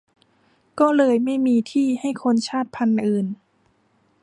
ก็เลยไม่มีที่ให้คนชาติพันธุ์อื่น